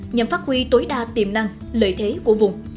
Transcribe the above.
nhằm phát huy tối đa tiềm năng lợi thế của vùng